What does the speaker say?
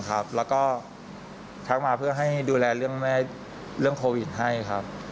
แล้วก็ทักมาเพื่อให้ดูแลเรื่องแม่เรื่องโควิดให้ครับ